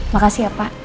makasih ya pak